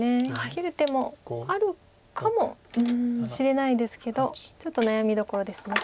切る手もあるかもしれないですけどちょっと悩みどころです。